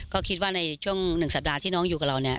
ก็คิดว่าในช่วง๑สัปดาห์ที่น้องอยู่กับเราเนี่ย